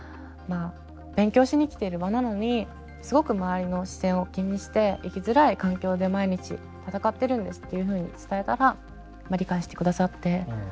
まあ勉強しに来てる場なのにすごく周りの視線を気にして生きづらい環境で毎日闘ってるんですっていうふうに伝えたら理解してくださって。